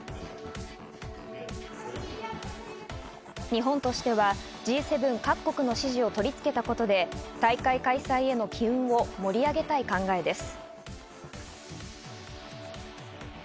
日本としてはＧ７各国の支持を取り付けたことで大会開催への機運を盛り上げたい考えです。